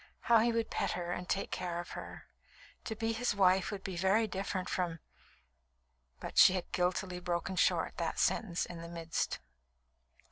How he would pet her and take care of her! To be his wife would be very different from " but she had guiltily broken short that sentence in the midst.